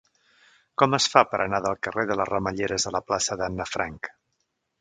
Com es fa per anar del carrer de les Ramelleres a la plaça d'Anna Frank?